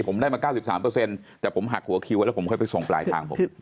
ผมได้มา๙๓แต่ผมหักหัวคิวไว้แล้วผมค่อยไปส่งปลายทางผม